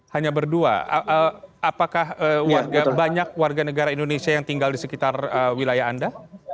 hanya berdua apakah banyak warga negara indonesia yang tinggal di sekitar wilayah anda